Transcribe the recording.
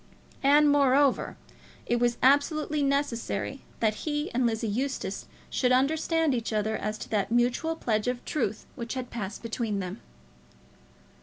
And, moreover, it was absolutely necessary that he and Lizzie Eustace should understand each other as to that mutual pledge of truth which had passed between them.